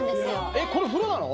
えっこれ風呂なの？